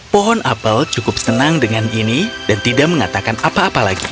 pohon apel cukup senang dengan ini dan tidak mengatakan apa apa lagi